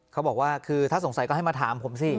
เขาบอกว่าคือถ้าสงสัยก็ให้มาถามผมสิ